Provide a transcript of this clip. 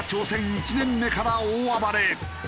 １年目から大暴れ。